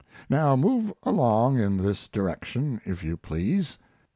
Now move along in this direction, if you please.